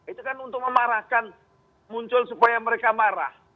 itu kan untuk memarahkan muncul supaya mereka marah